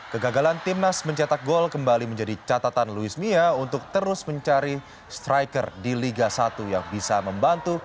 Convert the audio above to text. kegagalan timnas mencetak gol kembali menjadi catatan luis mia untuk terus mencari striker di liga satu yang bisa membantu